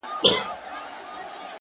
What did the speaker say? که په ژړا کي مصلحت وو ـ خندا څه ډول وه ـ